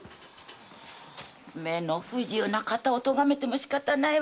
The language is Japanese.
目の不自由な方をとがめてもしかたないわ。